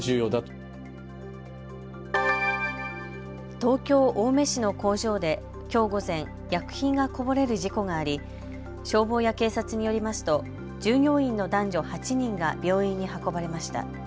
東京青梅市の工場できょう午前、薬品がこぼれる事故があり消防や警察によりますと従業員の男女８人が病院に運ばれました。